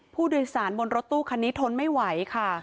ผู้โดยสารบนรถตู้คันนี้ทนไม่ไหวค่ะ